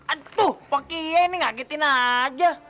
aduh pak iye ini ngagetin aja